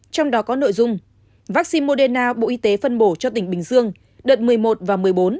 trong đó có nội dung vaccine moderna bộ y tế phân bổ cho tỉnh bình dương đợt một mươi một và một mươi bốn